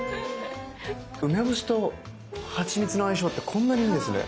梅干しとはちみつの相性ってこんなにいいんですね。